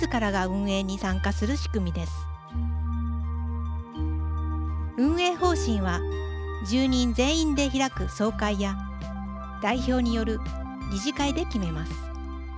運営方針は住人全員で開く総会や代表による理事会で決めます。